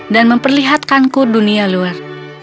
dan memperlihatkanku dunia luar